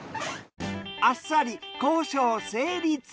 あっさり交渉成立。